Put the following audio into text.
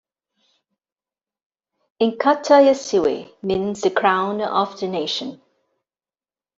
"Inkatha YeSizwe" means "the crown of the nation".